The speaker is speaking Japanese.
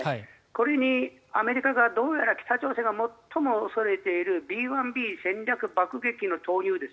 これにアメリカがどうやら北朝鮮が最も恐れているＢ１Ｂ戦略爆撃機の投入